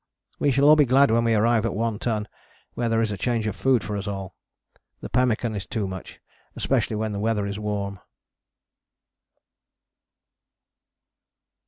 We shall all be glad when we arrive at One Ton, where there is a change of food for us all. The pemmican is too much, especially when the weather is warm.